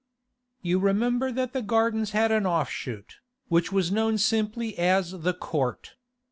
You remember that the Gardens had an offshoot, which was known simply as The Court.